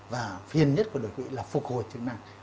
và phiền nhất của đột quỵ là phục hồi chức năng